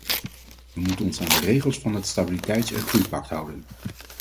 We moeten ons aan de regels van het stabiliteits- en groeipact houden.